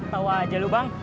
tawa aja lu bang